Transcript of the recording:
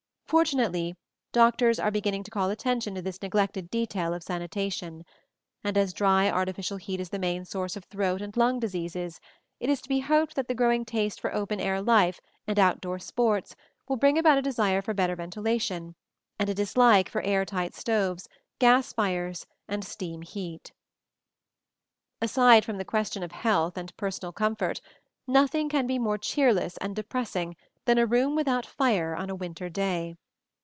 Fortunately, doctors are beginning to call attention to this neglected detail of sanitation; and as dry artificial heat is the main source of throat and lung diseases, it is to be hoped that the growing taste for open air life and out door sports will bring about a desire for better ventilation, and a dislike for air tight stoves, gas fires and steam heat. Aside from the question of health and personal comfort, nothing can be more cheerless and depressing than a room without fire on a winter day.